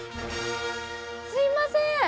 すいません。